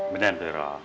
benar tuh roh